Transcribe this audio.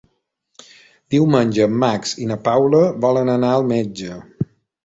Diumenge en Max i na Paula volen anar al metge.